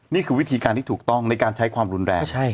นี่คือวิธีการที่ถูกต้องในการใช้ความรุนแรง